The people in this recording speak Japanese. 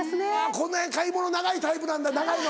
この辺買い物長いタイプなんだ長いの？